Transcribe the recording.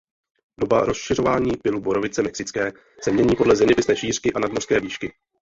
Doba rozšiřování pylu borovice mexické se mění podle zeměpisné šířky a nadmořské výšky.